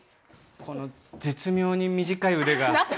この絶妙に短い腕が。